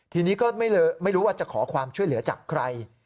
ทีนี้ก็ไม่รู้ว่าจะขอความช่วยเหลือจากใคร